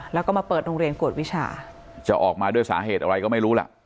แล้วก็มาเปิดโรงเรียนกวดวิชาจะออกมาด้วยสาเหตุอะไรก็ไม่รู้ล่ะ